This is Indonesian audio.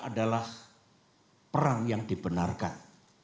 adalah perang yang dibenarkan